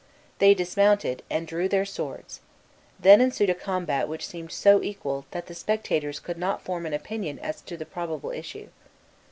They dismounted, and drew their swords. Then ensued a combat which seemed so equal, that the spectators could not form an opinion as to the probable issue.